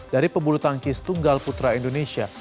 dari pembulu tangkis tunggal putra indonesia